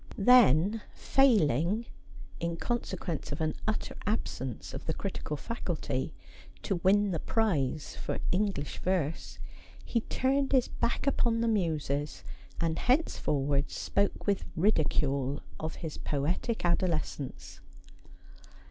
Then, failing — in consequence of an utter absence of the critical faculty — to win the prize for English verse, he turned bis back upon the Muses, and henceforward spoke with ridicule of his poetic adolescence.